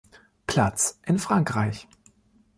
Platz in Frankreich.